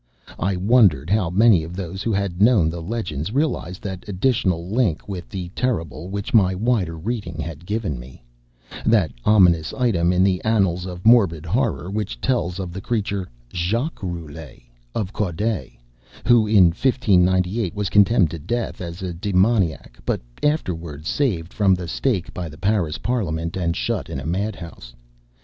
I wondered how many of those who had known the legends realized that additional link with the terrible which my wider reading had given me; that ominous item in the annals of morbid horror which tells of the creature Jacques Roulet, of Caude, who in 1598 was condemned to death as a demoniac but afterward saved from the stake by the Paris parliament and shut in a madhouse.